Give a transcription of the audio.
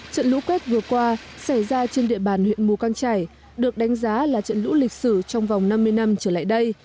trận lũ quét vừa qua xảy ra trên địa bàn huyện mù căng trải được đánh giá là trận lũ lịch sử trong vòng năm mươi năm trở lại đây